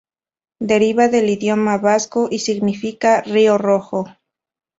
Deriva del idioma vasco y significa "Río rojo".